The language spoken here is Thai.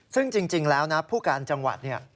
ซึ่งจริงแล้วนะผู้การจังหวัดเนี่ย